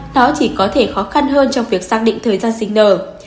nó chỉ có thể khó khăn hơn trong việc xác định thời gian sinh nở